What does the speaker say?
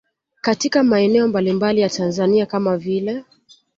Katika maeneo mbalimbali ya Tanzania kama vile